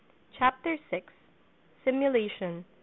CHAPTER VI. Simulation.